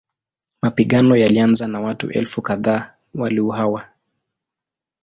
Mapigano yalianza na watu elfu kadhaa waliuawa.